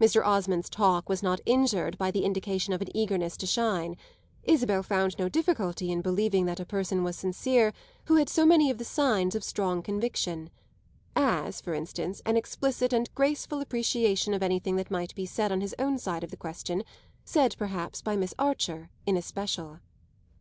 Mr. Osmond's talk was not injured by the indication of an eagerness to shine; Isabel found no difficulty in believing that a person was sincere who had so many of the signs of strong conviction as for instance an explicit and graceful appreciation of anything that might be said on his own side of the question, said perhaps by Miss Archer in especial.